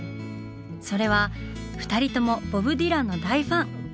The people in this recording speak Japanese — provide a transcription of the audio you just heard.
それは二人ともボブ・ディランの大ファン！